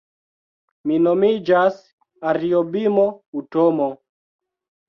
Mi nomiĝas Ariobimo Utomo